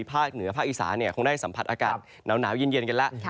ภาคเหนือภาคอีสานคงได้สัมผัสอากาศหนาวเย็นกันแล้ว